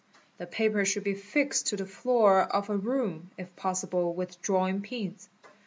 .The paper should be fixed to the floor of a room, if possible with drawing pins.